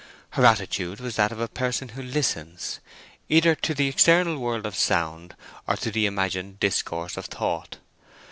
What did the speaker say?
Her attitude was that of a person who listens, either to the external world of sound, or to the imagined discourse of thought.